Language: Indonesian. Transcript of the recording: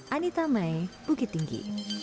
anitta mai bukit tinggi